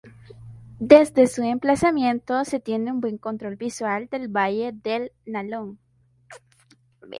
Desde su emplazamiento se tiene un buen control visual del Valle del Nalón.